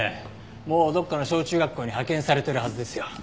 もうどこかの小中学校に派遣されてるはずですよ。